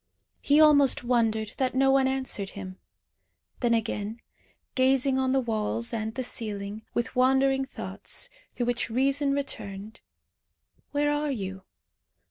He almost wondered that no one answered him. Then again, gazing on the walls and the ceiling, with wandering thoughts, through which reason returned. "Where are you?